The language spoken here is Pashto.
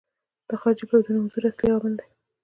د خارجي پوځونو حضور اصلي عامل دی.